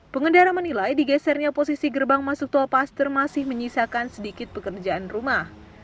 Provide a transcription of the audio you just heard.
pengendara menilai digesernya posisi gerbang masuk tol paster masih menyisakan sedikit pekerjaan rumah